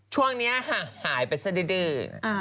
ช่วงนี้ห่างหายไปซะดื้อ